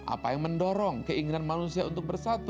apa yang mendorong keinginan manusia untuk bersatu